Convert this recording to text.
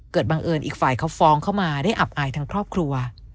บังเอิญอีกฝ่ายเขาฟ้องเข้ามาได้อับอายทั้งครอบครัว